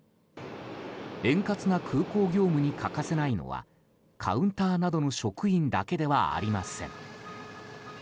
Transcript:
円滑な空港業務に欠かせないのはカウンターなどの職員だけではありません。